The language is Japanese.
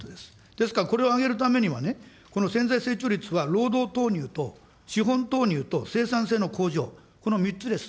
ですから、これを上げるためには、この潜在成長率は、労働投入と資本投入と生産性の向上、この３つです。